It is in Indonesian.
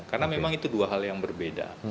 karena memang itu dua hal yang berbeda